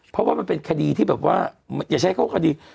เพราะว่ามันเป็นคดีที่แบบว่าอย่าใช้คดี